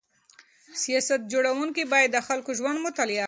سیاست جوړونکي باید د خلکو ژوند مطالعه کړي.